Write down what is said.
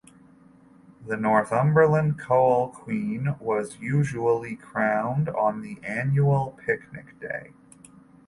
The Northumberland Coal Queen was usually crowned on the annual Picnic Day.